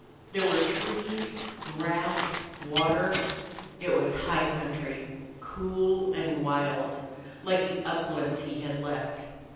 There were trees, grass, water. It was a high country, cool and wild, like the uplands he had left.